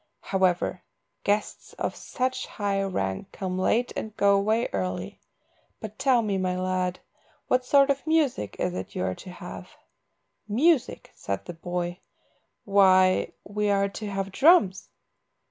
However, guests of such high rank come late and go away early. But tell me, my lad, what sort of music is it you are to have?" "Music," said the boy, "why, we are to have drums."